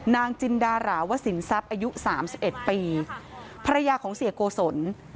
นางจิณดาราวาศิลป์อายุ๓๑ปีภรรยาของเสียโกศล